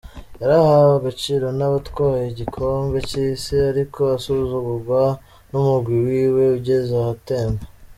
Yarahawe agaciro n'abatwaye igikombe c'isi, ariko asuzugugwa n'umugwi wiwe ugeze ahatemba.